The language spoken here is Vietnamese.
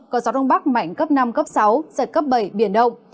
có gió đông bắc mạnh cấp năm sáu giật cấp bảy biển đông